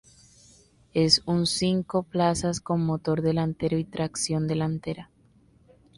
Es un cinco plazas con motor delantero y tracción delantera.